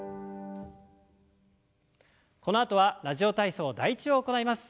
このあとは「ラジオ体操第１」を行います。